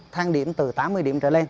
thang điểm từ tám mươi điểm trở lên